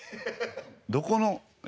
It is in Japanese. どこのえ？